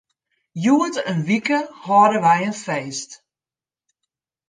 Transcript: Hjoed in wike hâlde wy in feest.